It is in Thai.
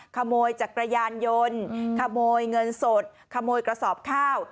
ขโมยจักรยานยนต์ขโมยเงินสดขโมยกระสอบข้าว